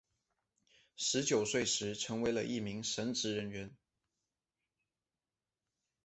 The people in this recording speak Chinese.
十九岁时成为了一名神职人员。